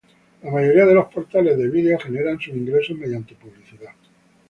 La mayoría de los portales de vídeo generan sus ingresos mediante publicidad.